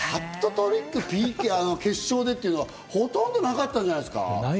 ハットトリック、決勝でっていうのは、ほとんどなかったんじゃないですか？